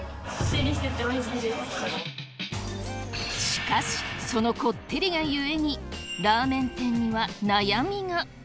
しかしそのコッテリがゆえにラーメン店には悩みが。